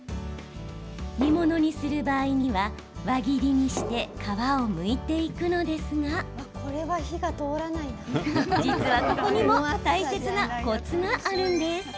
煮物にする場合には輪切りにして皮をむいていくのですが実は、ここにも大切なコツがあるんです。